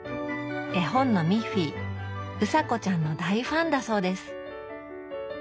絵本のミッフィーうさこちゃんの大ファンだそうです。